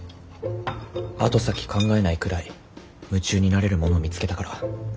後先考えないくらい夢中になれるものを見つけたから。